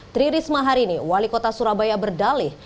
tririsma hari ini wali kota surabaya berdalih